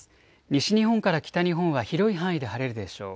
西日本から北日本は広い範囲で晴れるでしょう。